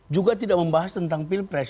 juga tidak membahas tentang pilpres